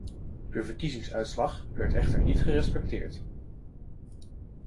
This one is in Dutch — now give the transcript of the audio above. De verkiezingsuitslag werd echter niet gerespecteerd.